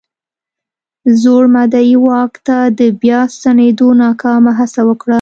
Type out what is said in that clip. زوړ مدعي واک ته د بیا ستنېدو ناکامه هڅه وکړه.